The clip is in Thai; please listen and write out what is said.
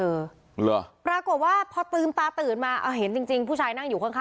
เหลือปรากฏว่าพอตื่นตาตื่นมาเห็นจริงผู้ชายนั่งอยู่ข้าง